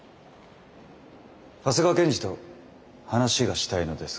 長谷川検事と話がしたいのですが。